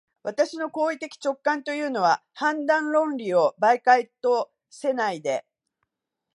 私の行為的直観というのは、判断論理を媒介とせないで、